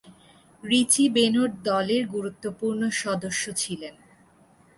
রিচি বেনো’র দলের গুরুত্বপূর্ণ সদস্য ছিলেন।